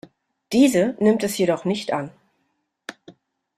Diese nimmt es jedoch nicht an.